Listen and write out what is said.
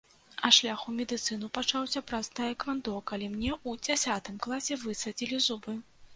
А шлях у медыцыну пачаўся праз таэквандо, калі мне ў дзясятым класе высадзілі зубы.